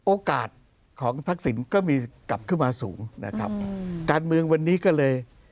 โอกาสของทักษิณก็มีกลับขึ้นมาสูงนะครับการเมืองวันนี้ก็เลย